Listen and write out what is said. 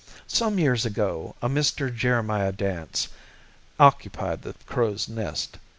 Some years ago a Mr. Jeremiah Dance occupied the Crow's Nest.